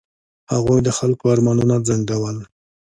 هغوی د خلکو ارمانونه ځنډول.